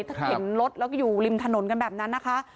ถ้าเข็นรถแล้วก็อยู่ริมถนนกันแบบนั้นนะคะ